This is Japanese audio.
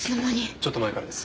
ちょっと前からです。